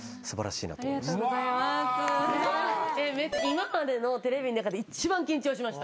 今までのテレビの中で一番緊張しました。